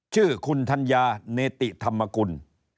ชื่อคุณธัญญาเนติธรรมกุล